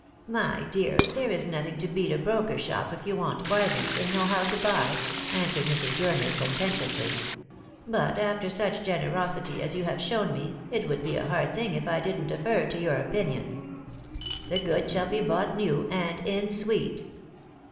" My dear, there is nothing to beat a broker's shop if you want bargains, and know how to buy," answered Mrs. Gurner sententiously. " But after such generosity as you have shown me, it would be a hard thing if I didn't defer to your opinion. The goods shall be bought new and in sweet."